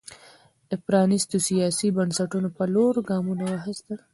د پرانېستو سیاسي بنسټونو پر لور ګامونه واخیستل.